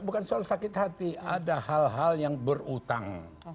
bukan soal sakit hati ada hal hal yang berutang